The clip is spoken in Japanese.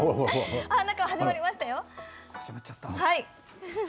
始まりましたよ。